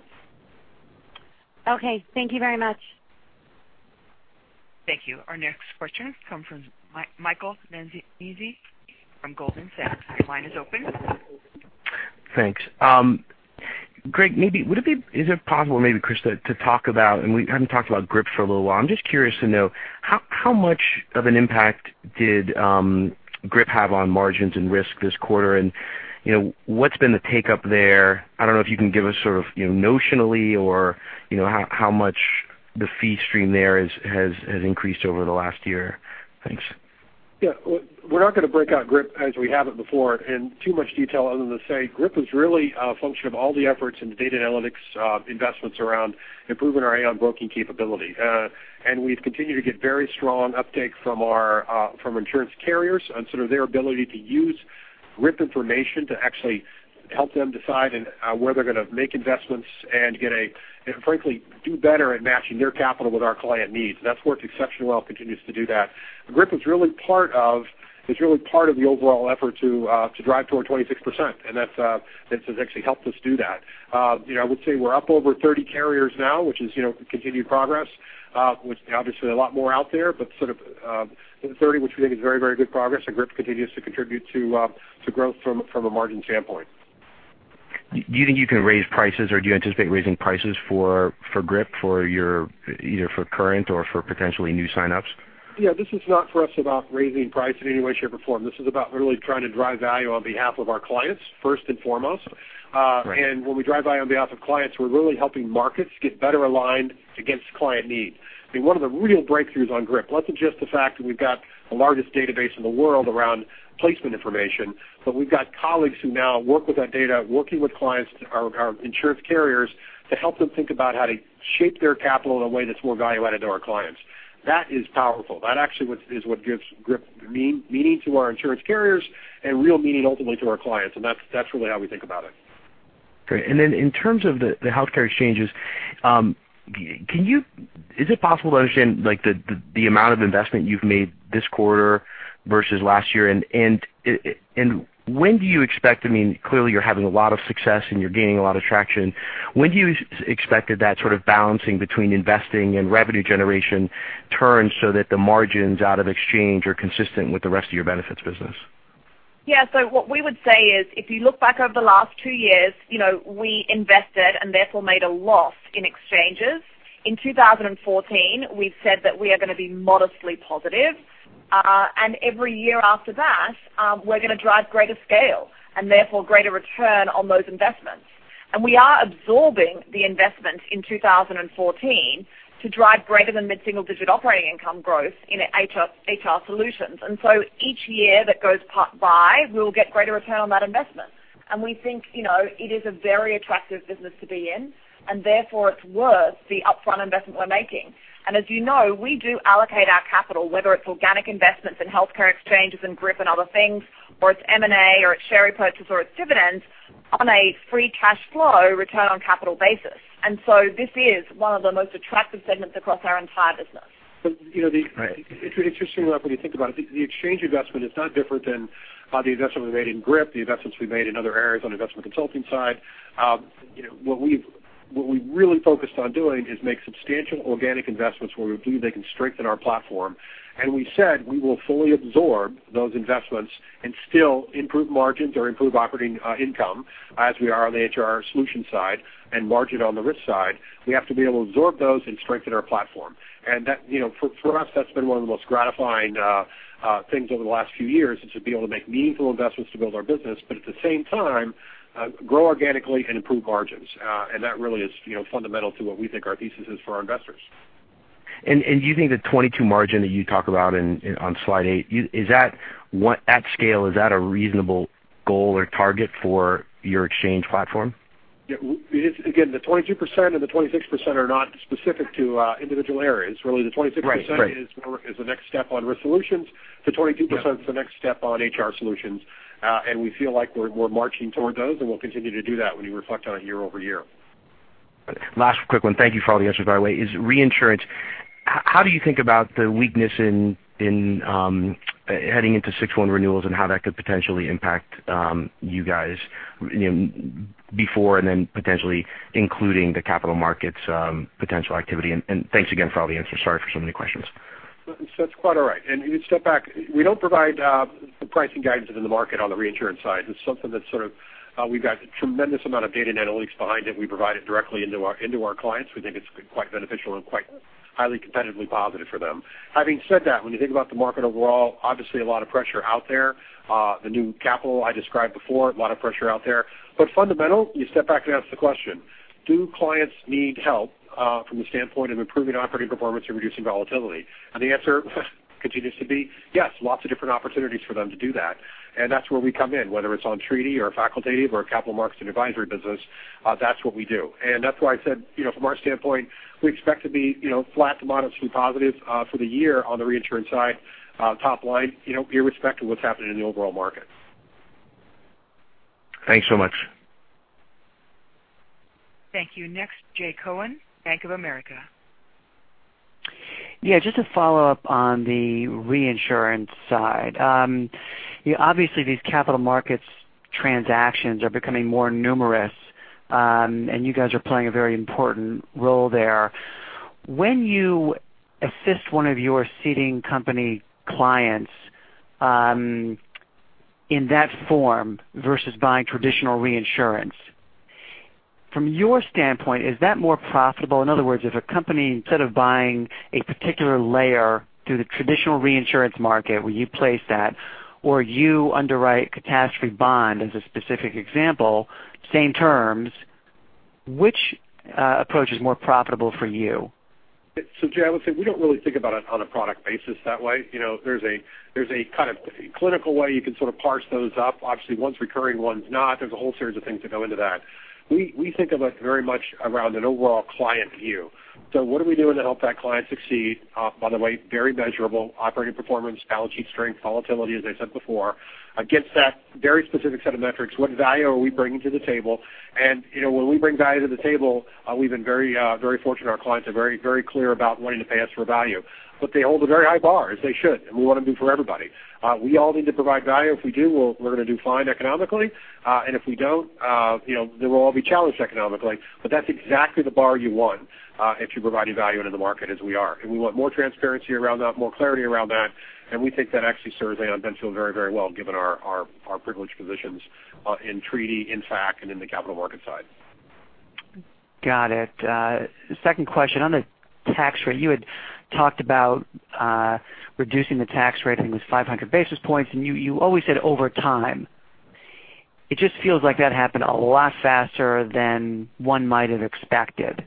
Okay. Thank you very much. Thank you. Our next question comes from Michael Nannizzi from Goldman Sachs. Your line is open. Thanks. Greg, is it possible, maybe Crista, to talk about, and we haven't talked about GRIP for a little while. I'm just curious to know how much of an impact did GRIP have on margins and risk this quarter, and what's been the take up there? I don't know if you can give us sort of notionally or how much the fee stream there has increased over the last year. Thanks. Yeah. We're not going to break out GRIP as we have it before in too much detail other than to say GRIP is really a function of all the efforts in the data analytics investments around improving our Aon Broking capability. We've continued to get very strong uptake from insurance carriers on sort of their ability to use GRIP information to actually help them decide where they're going to make investments and frankly, do better at matching their capital with our client needs. That's worked exceptionally well, continues to do that. GRIP is really part of the overall effort to drive toward 26%, and this has actually helped us do that. I would say we're up over 30 carriers now, which is continued progress, which obviously a lot more out there, but sort of 30, which we think is very good progress, and GRIP continues to contribute to growth from a margin standpoint. Do you think you can raise prices, or do you anticipate raising prices for GRIP for either for current or for potentially new sign-ups? Yeah, this is not for us about raising price in any way, shape, or form. This is about really trying to drive value on behalf of our clients, first and foremost. Right. When we drive value on behalf of clients, we're really helping markets get better aligned against client needs. I mean, one of the real breakthroughs on GRIP, not just the fact that we've got the largest database in the world around placement information, but we've got colleagues who now work with that data, working with clients, our insurance carriers, to help them think about how to shape their capital in a way that's more value-added to our clients. That is powerful. That actually is what gives GRIP meaning to our insurance carriers and real meaning ultimately to our clients, and that's really how we think about it. Great. Then in terms of the healthcare exchanges, is it possible to understand the amount of investment you've made this quarter versus last year? When do you expect, I mean, clearly you're having a lot of success and you're gaining a lot of traction. When do you expect that sort of balancing between investing and revenue generation turns so that the margins out of exchange are consistent with the rest of your benefits business? Yeah. What we would say is, if you look back over the last two years, we invested and therefore made a loss in exchanges. In 2014, we've said that we are going to be modestly positive. Every year after that, we're going to drive greater scale and therefore greater return on those investments. We are absorbing the investment in 2014 to drive greater than mid-single digit operating income growth in HR Solutions. Each year that goes by, we will get greater return on that investment. We think it is a very attractive business to be in, and therefore it's worth the upfront investment we're making. As you know, we do allocate our capital, whether it's organic investments in healthcare exchanges and GRIP and other things, or it's M&A or it's share repurchase or it's dividends on a free cash flow return on capital basis. This is one of the most attractive segments across our entire business. It's interesting when you think about it, the exchange investment is no different than the investment we made in GRIP, the investments we made in other areas on the investment consulting side. What we've really focused on doing is make substantial organic investments where we believe they can strengthen our platform. We said we will fully absorb those investments and still improve margins or improve operating income as we are on the HR Solutions side and margin on the Risk side. We have to be able to absorb those and strengthen our platform. For us, that's been one of the most gratifying things over the last few years is to be able to make meaningful investments to build our business, but at the same time, grow organically and improve margins. That really is fundamental to what we think our thesis is for our investors. Do you think the 22% margin that you talk about on slide eight, at scale, is that a reasonable goal or target for your exchange platform? Yeah. Again, the 22% and the 26% are not specific to individual areas. Really, the 26%- Right is the next step on Risk Solutions. The 22%- Yeah Is the next step on HR Solutions. We feel like we're marching toward those, and we'll continue to do that when you reflect on it year-over-year. Last quick one. Thank you for all the answers, by the way. Is reinsurance, how do you think about the weakness in heading into 6/1 renewals and how that could potentially impact you guys before and then potentially including the capital markets potential activity? Thanks again for all the answers. Sorry for so many questions. That's quite all right. You step back, we don't provide the pricing guidance within the market on the reinsurance side. It's something that we've got a tremendous amount of data and analytics behind it. We provide it directly into our clients. We think it's quite beneficial and quite highly competitively positive for them. Having said that, when you think about the market overall, obviously a lot of pressure out there. The new capital I described before, a lot of pressure out there. Fundamental, you step back and ask the question, do clients need help, from the standpoint of improving operating performance or reducing volatility? The answer continues to be yes, lots of different opportunities for them to do that. That's where we come in, whether it's on treaty or facultative or capital markets and advisory business, that's what we do. That's why I said, from our standpoint, we expect to be flat to modestly positive for the year on the reinsurance side, top line, irrespective of what's happening in the overall market. Thanks so much. Thank you. Next, Jay Cohen, Bank of America. Yeah, just to follow up on the reinsurance side. Obviously these capital markets transactions are becoming more numerous, and you guys are playing a very important role there. When you assist one of your seeding company clients, in that form versus buying traditional reinsurance. From your standpoint, is that more profitable? In other words, if a company, instead of buying a particular layer through the traditional reinsurance market where you place that or you underwrite catastrophe bond as a specific example, same terms, which approach is more profitable for you? Jay, I would say we don't really think about it on a product basis that way. There's a kind of clinical way you can sort of parse those up. Obviously, one's recurring, one's not. There's a whole series of things that go into that. We think of it very much around an overall client view. What are we doing to help that client succeed? By the way, very measurable operating performance, balance sheet strength, volatility, as I said before, against that very specific set of metrics. What value are we bringing to the table? When we bring value to the table, we've been very fortunate. Our clients are very clear about wanting to pay us for value, they hold a very high bar, as they should, and we want to do for everybody. We all need to provide value. If we do, we're going to do fine economically. If we don't, then we'll all be challenged economically. That's exactly the bar you want if you're providing value into the market as we are. We want more transparency around that, more clarity around that, and we think that actually serves Aon Benfield very well given our privileged positions in treaty, in fac and in the capital market side. Got it. Second question, on the tax rate. You had talked about reducing the tax rate, I think it was 500 basis points, and you always said over time. It just feels like that happened a lot faster than one might have expected.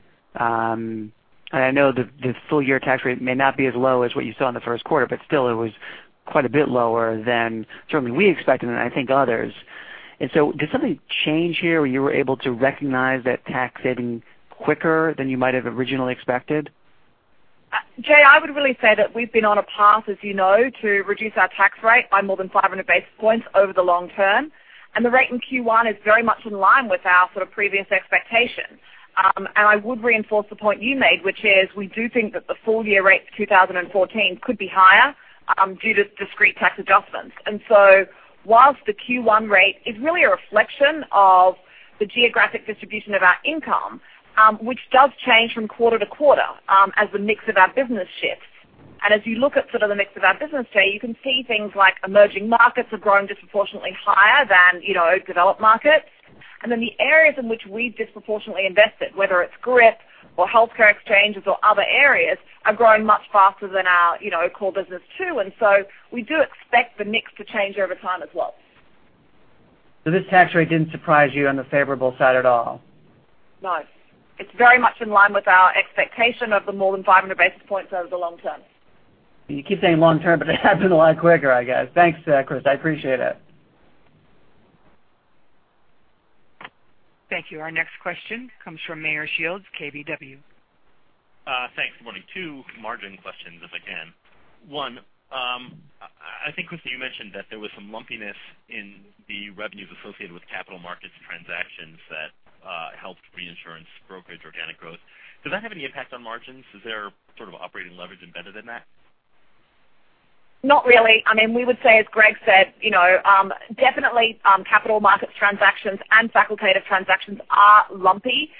I know the full year tax rate may not be as low as what you saw in the first quarter, but still, it was quite a bit lower than certainly we expected and I think others. Did something change here where you were able to recognize that tax saving quicker than you might have originally expected? Jay, I would really say that we've been on a path, as you know, to reduce our tax rate by more than 500 basis points over the long term. The rate in Q1 is very much in line with our sort of previous expectations. I would reinforce the point you made, which is we do think that the full-year rate for 2014 could be higher due to discrete tax adjustments. Whilst the Q1 rate is really a reflection of the geographic distribution of our income, which does change from quarter to quarter as the mix of our business shifts. As you look at the mix of our business today, you can see things like emerging markets are growing disproportionately higher than developed markets. The areas in which we've disproportionately invested, whether it's GRIP or healthcare exchanges or other areas, are growing much faster than our core business too. We do expect the mix to change over time as well. This tax rate didn't surprise you on the favorable side at all? No. It's very much in line with our expectation of the more than 500 basis points over the long term. You keep saying long term, it happened a lot quicker, I guess. Thanks, Christa. I appreciate it. Thank you. Our next question comes from Meyer Shields, KBW. Thanks. Good morning. Two margin questions, if I can. I think, Christa, you mentioned that there was some lumpiness in the revenues associated with capital markets transactions that helped reinsurance brokerage organic growth. Does that have any impact on margins? Is there operating leverage embedded in that? Not really. We would say, as Greg said, definitely capital markets transactions and facultative transactions are lumpy.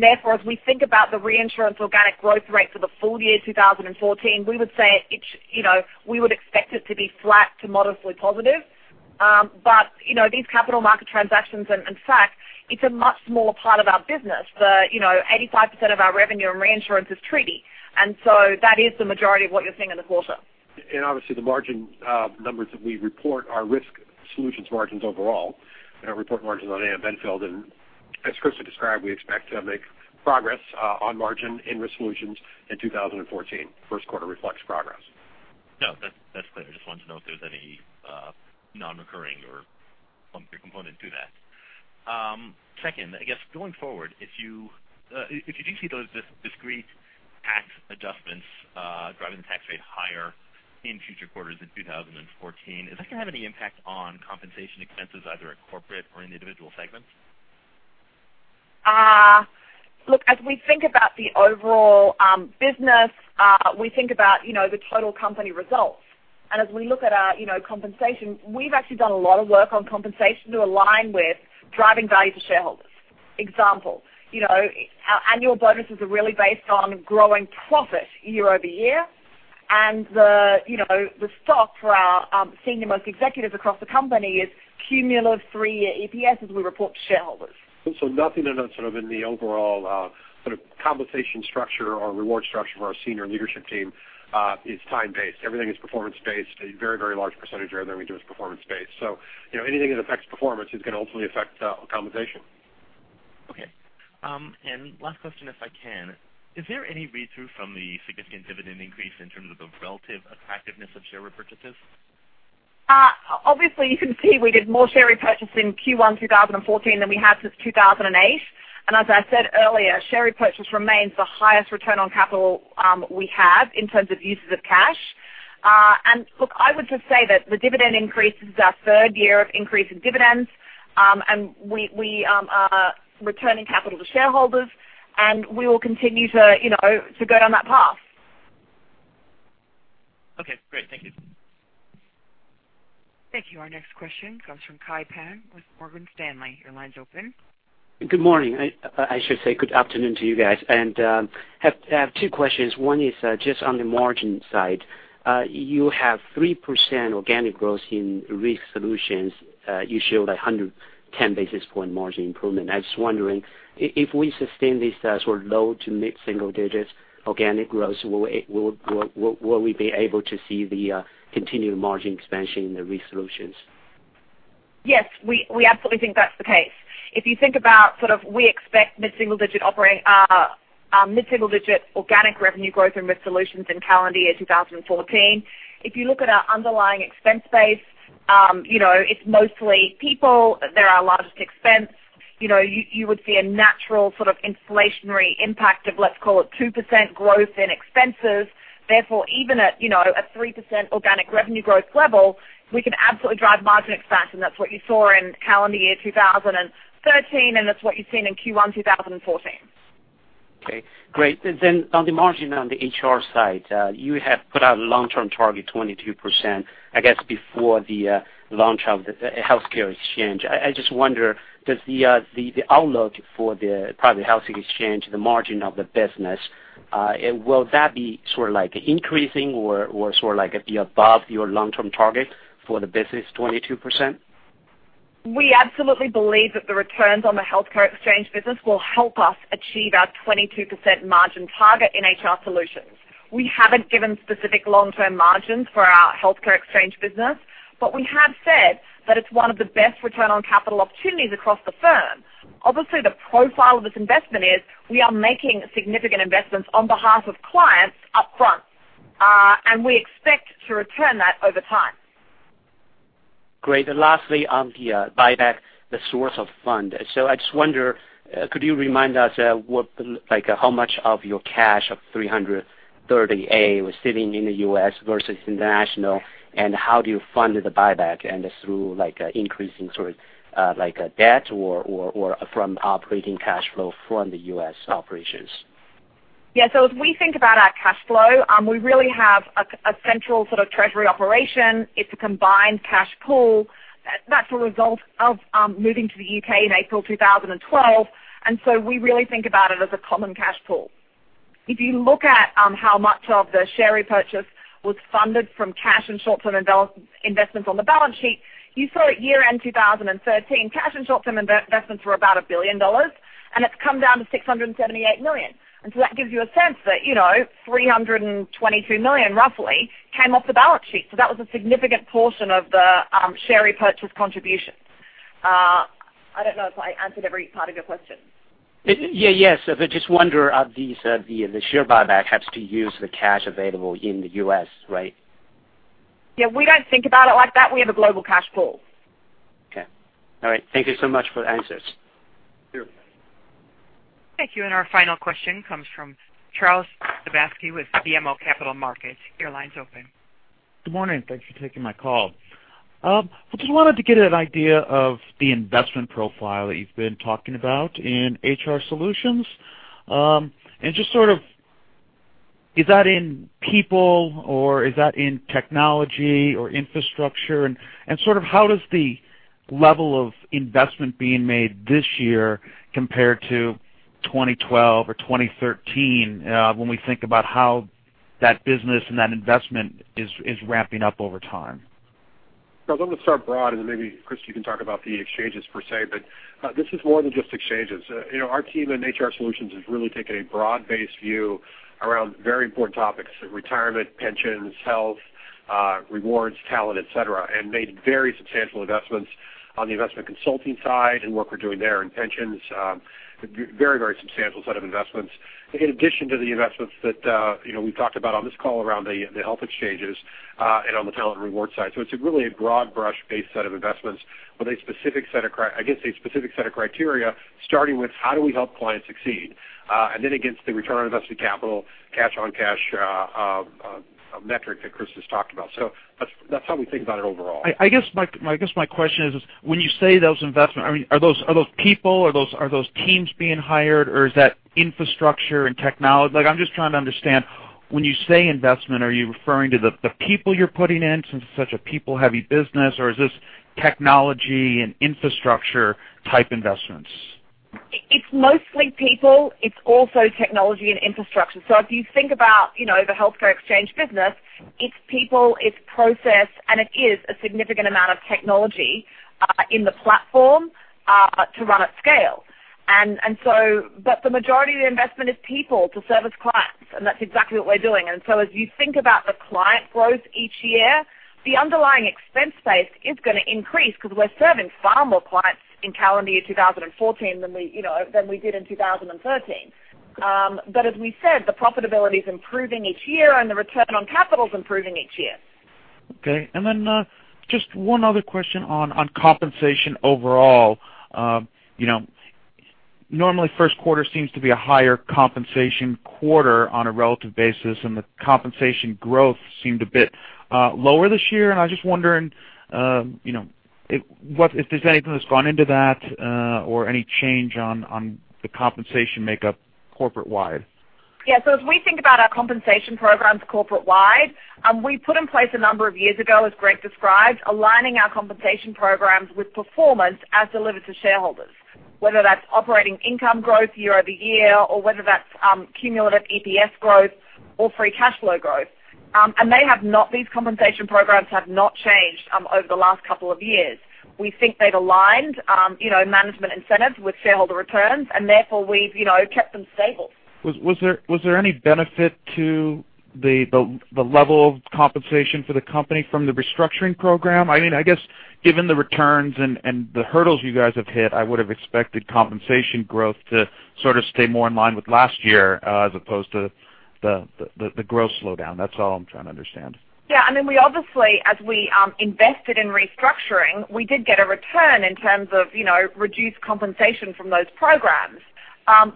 Therefore, as we think about the reinsurance organic growth rate for the full year 2014, we would say we would expect it to be flat to modestly positive. These capital market transactions and fac, it's a much smaller part of our business. 85% of our revenue and reinsurance is treaty, that is the majority of what you're seeing in the quarter. Obviously the margin numbers that we report are Risk Solutions margins overall. We don't report margins on Aon Benfield, as Chris has described, we expect to make progress on margin in Risk Solutions in 2014. First quarter reflects progress. No, that's clear. I just wanted to know if there was any non-recurring or lumpier component to that. Second, I guess, going forward, if you do see those discrete tax adjustments driving the tax rate higher in future quarters in 2014, is that going to have any impact on compensation expenses, either at corporate or in the individual segments? Look, as we think about the overall business, we think about the total company results. As we look at our compensation, we've actually done a lot of work on compensation to align with driving value to shareholders. Example, our annual bonuses are really based on growing profit year-over-year. The stock for our senior-most executives across the company is cumulative three-year EPS, as we report to shareholders. Nothing in the overall sort of compensation structure or reward structure for our senior leadership team is time-based. Everything is performance-based. A very large percentage of everything we do is performance-based. Anything that affects performance is going to ultimately affect compensation. Okay. Last question, if I can. Is there any read-through from the significant dividend increase in terms of the relative attractiveness of share repurchases? Obviously, you can see we did more share repurchase in Q1 2014 than we have since 2008. As I said earlier, share repurchase remains the highest return on capital we have in terms of uses of cash. Look, I would just say that the dividend increase is our third year of increase in dividends. We are returning capital to shareholders, and we will continue to go down that path. Okay, great. Thank you. Thank you. Our next question comes from Kai Pan with Morgan Stanley. Your line's open. Good morning. I should say good afternoon to you guys. I have two questions. One is just on the margin side. You have 3% organic growth in Risk Solutions. You showed 110 basis point margin improvement. I was wondering if we sustain this sort of low to mid-single-digits organic growth, will we be able to see the continued margin expansion in the Risk Solutions? Yes, we absolutely think that's the case. If you think about we expect mid-single-digit organic revenue growth in Risk Solutions in calendar year 2014. If you look at our underlying expense base, it's mostly people that are our largest expense. You would see a natural inflationary impact of, let's call it 2% growth in expenses. Even at a 3% organic revenue growth level, we can absolutely drive margin expansion. That's what you saw in calendar year 2013, and that's what you've seen in Q1 2014. Okay, great. On the margin on the HR side, you have put out a long-term target 22%, I guess, before the launch of the healthcare exchange. I just wonder, does the outlook for the private health exchange, the margin of the business, will that be increasing or be above your long-term target for the business, 22%? We absolutely believe that the returns on the healthcare exchange business will help us achieve our 22% margin target in HR Solutions. We haven't given specific long-term margins for our healthcare exchange business, but we have said that it's one of the best return on capital opportunities across the firm. Obviously, the profile of this investment is we are making significant investments on behalf of clients up front. We expect to return that over time. Great. Lastly, on the buyback, the source of fund. I just wonder, could you remind us how much of your cash of $330M was sitting in the U.S. versus international, and how do you fund the buyback? Is through increasing sort of debt or from operating cash flow from the U.S. operations? Yeah. As we think about our cash flow, we really have a central treasury operation. It's a combined cash pool. That's a result of moving to the U.K. in April 2012, we really think about it as a common cash pool. If you look at how much of the share repurchase was funded from cash and short-term investments on the balance sheet, you saw at year-end 2013, cash and short-term investments were about $1 billion, and it's come down to $678 million. That gives you a sense that $322 million, roughly, came off the balance sheet. That was a significant portion of the share repurchase contribution. I don't know if I answered every part of your question. Yeah. I just wonder, the share buyback has to use the cash available in the U.S., right? Yeah, we don't think about it like that. We have a global cash pool. Okay. All right. Thank you so much for the answers. Thank you. Thank you. Our final question comes from Charles Sebaski with BMO Capital Markets. Your line's open. Good morning. Thanks for taking my call. I just wanted to get an idea of the investment profile that you've been talking about in HR Solutions. Is that in people, or is that in technology or infrastructure? How does the level of investment being made this year compare to 2012 or 2013, when we think about how that business and that investment is ramping up over time? Charles, I'm going to start broad and then maybe Chris, you can talk about the exchanges per se, but this is more than just exchanges. Our team in HR Solutions has really taken a broad-based view around very important topics, retirement, pensions, health, rewards, talent, et cetera, and made very substantial investments on the investment consulting side and work we're doing there in pensions. Very substantial set of investments. In addition to the investments that we've talked about on this call around the health exchanges, and on the talent reward side. It's really a broad brush-based set of investments with a specific set of criteria, starting with how do we help clients succeed? Then against the return on invested capital, cash on cash metric that Chris just talked about. That's how we think about it overall. My question is, when you say those investment, are those people, are those teams being hired or is that infrastructure and technology? I'm just trying to understand, when you say investment, are you referring to the people you're putting in, since it's such a people-heavy business, or is this technology and infrastructure type investments? It's mostly people. It's also technology and infrastructure. If you think about the healthcare exchange business, it's people, it's process, and it is a significant amount of technology in the platform to run at scale. The majority of the investment is people to service clients, and that's exactly what we're doing. As you think about the client growth each year, the underlying expense base is going to increase because we're serving far more clients in calendar year 2014 than we did in 2013. As we said, the profitability is improving each year and the return on capital is improving each year. Okay. Just one other question on compensation overall. Normally, first quarter seems to be a higher compensation quarter on a relative basis, the compensation growth seemed a bit lower this year. I was just wondering if there's anything that's gone into that or any change on the compensation makeup corporate-wide. Yeah. As we think about our compensation programs corporate-wide, we put in place a number of years ago, as Greg Case described, aligning our compensation programs with performance as delivered to shareholders, whether that's operating income growth year-over-year or whether that's cumulative EPS growth or free cash flow growth. These compensation programs have not changed over the last couple of years. We think they've aligned management incentives with shareholder returns, therefore we've kept them stable. Was there any benefit to the level of compensation for the company from the restructuring program? I guess given the returns and the hurdles you guys have hit, I would have expected compensation growth to sort of stay more in line with last year as opposed to the growth slowdown. That's all I'm trying to understand. Yeah. We obviously, as we invested in restructuring, we did get a return in terms of reduced compensation from those programs.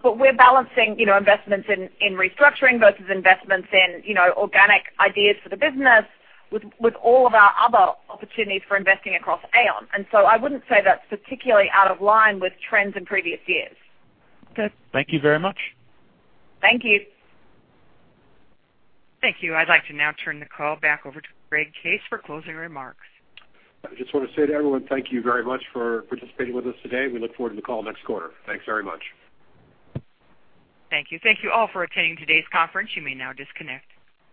We're balancing investments in restructuring versus investments in organic ideas for the business with all of our other opportunities for investing across Aon. I wouldn't say that's particularly out of line with trends in previous years. Okay. Thank you very much. Thank you. Thank you. I'd like to now turn the call back over to Greg Case for closing remarks. I just want to say to everyone, thank you very much for participating with us today. We look forward to the call next quarter. Thanks very much. Thank you. Thank you all for attending today's conference. You may now disconnect.